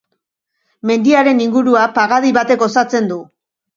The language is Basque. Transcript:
Mendiaren ingurua pagadi batek osatzen du.